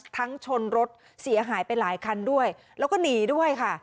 ชนรถเสียหายไปหลายคันด้วยแล้วก็หนีด้วยค่ะ